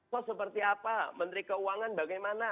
so seperti apa menteri keuangan bagaimana